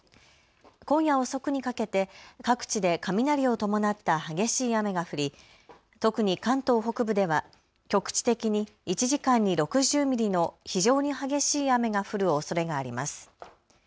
今夜遅くにかけて各地で雷を伴った激しい雨が降り特に関東北部では局地的に１時間に６０ミリの非常に激しい雨が降るおそれがあります。